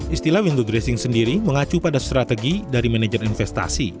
istilah window dressing sendiri mengacu pada strategi dari manajer investasi